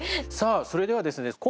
さあそれではですね